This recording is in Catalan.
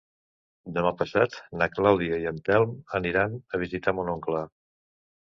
Demà passat na Clàudia i en Telm aniran a visitar mon oncle.